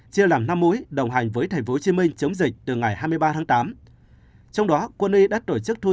chia làm năm mũi đồng hành với tp hcm chống dịch từ ngày hai mươi ba tháng tám trong đó quân y đã tổ chức thu